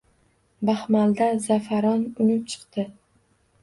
Baxmalda za’faron unib chiqdi